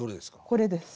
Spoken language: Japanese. これです。